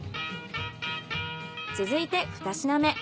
続いてふた品目。